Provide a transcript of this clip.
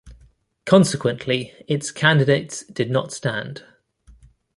Consequently, its candidates did not stand.